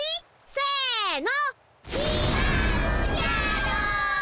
せの。